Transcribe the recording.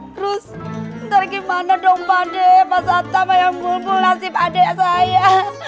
terus ntar gimana dong pak dek pak satang ayang bulbul nasib adek saya